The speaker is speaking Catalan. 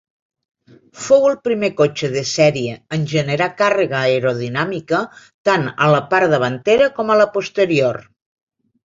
Fou el primer cotxe de sèrie en generar càrrega aerodinàmica tant a la part davantera com a la posterior.